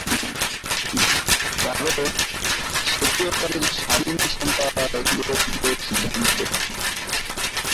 কারণ, সেটিও তাদের স্বাধীন সম্পাদকীয় সিদ্ধান্ত।